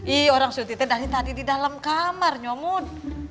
ih orang surtite dari tadi di dalam kamar nyomud